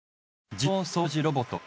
自動掃除ロボット